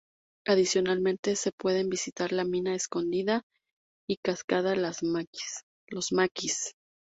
Adicionalmente, se pueden visitar la mina Escondida y cascada Los Maquis.